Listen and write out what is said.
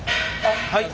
はい！